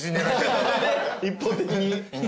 一方的に。